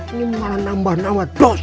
ini malah nambah nama dosa